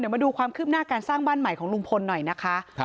มาดูความคืบหน้าการสร้างบ้านใหม่ของลุงพลหน่อยนะคะ